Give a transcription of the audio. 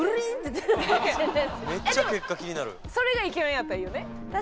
でもそれがイケメンやったらいいよね。